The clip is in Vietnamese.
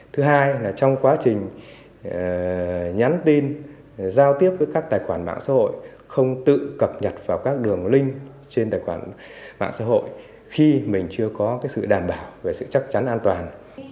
thứ hai là trong quá trình nhắn tin giao tiếp với các tài khoản mạng xã hội không tự cập nhật vào các đường link trên tài khoản mạng xã hội khi mình chưa có sự đảm bảo về sự chắc chắn an toàn